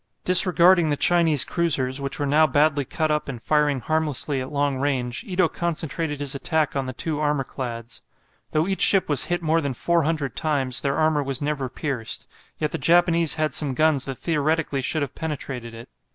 Disregarding the Chinese cruisers, which were now badly cut up and firing harmlessly at long range, Ito concentrated his attack on the two armour clads. Though each ship was hit more than four hundred times, their armour was never pierced. Yet the Japanese had some guns that theoretically should have penetrated it.